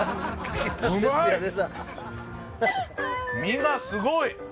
身がすごい！